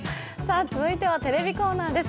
続いては、テレビコーナーです。